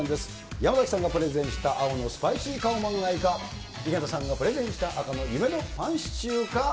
山崎さんがプレゼンした青のスパイシーカオマンガイか、井桁さんがプレゼンした赤の夢のパンシチューか。